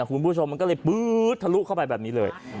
คุณผู้ชมมันก็เลยปื๊ดทะลุเข้าไปแบบนี้เลย